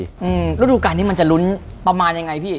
ฤดูการนี้มันจะลุ้นประมาณยังไงพี่